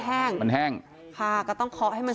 แต่ถ้าเกิดว่าปรับความเข้าใจกัน